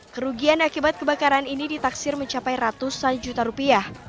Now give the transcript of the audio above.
kerugian akibat kebakaran ini ditaksir mencapai ratusan juta rupiah